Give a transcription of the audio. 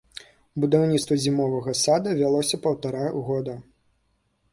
Будаўніцтва зімовага сада вялося паўтара года.